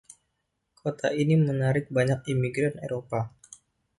Kota ini menarik banyak imigran Eropa.